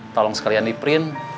tolong sekalian di print